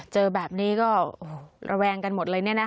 เจอแบบนี้ก็ระแวงกันหมดเลยเนี่ยนะ